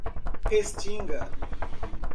Restinga